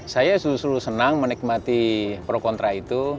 saya selalu senang menikmati pro kontra itu